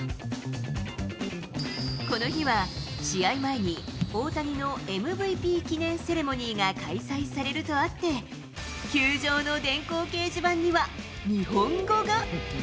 この日は、試合前に大谷のＭＶＰ記念セレモニーが開催されるとあって、球場の電光掲示板には日本語が。